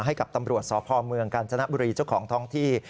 ให้กับตำรวจสพเมืองกาญจนบุรีเจ้าของท้องที่